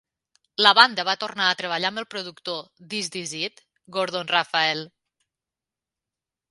La banda va tornar a treballar amb el productor d'"Is This It", Gordon Raphael.